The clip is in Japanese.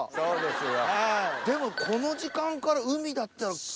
でもこの時間から海だったら。